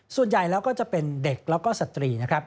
ส่วนใหญ่แล้วก็จะเป็นเด็กแล้วก็สตรีนะครับ